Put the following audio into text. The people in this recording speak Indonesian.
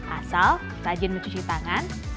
asal rajin mencuci tangan